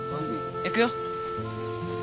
行くよ。